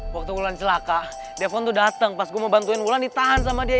waktu wulan celaka defon tuh dateng pas gue mau bantuin wulan ditahan sama dia